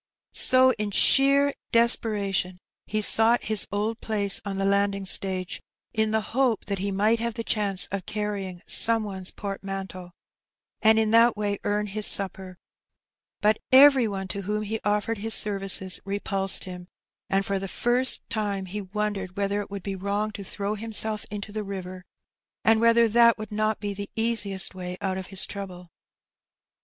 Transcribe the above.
So in sheer desperation he sought his old place on the landing stage^ in the hope that he might have the chance of carrying some one's portmanteau^ and in that way earn his supper; but every one to whom he offered his services repulsed him, and for the first time he wondered whether it would be wrong to throw himself into the river, and whether that would not be the easiest way out of his trouble.